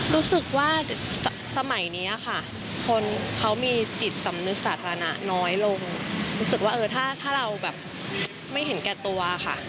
รู้สึกว่าสมัยนี้ค่ะคนเขามีจิตสำนึกสาธารณะน้อยลงรู้สึกว่าเออถ้าเราแบบไม่เห็นแก่ตัวค่ะ